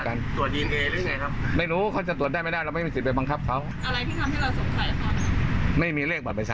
หมายถึงว่าตัวคุณแม่หรอครับ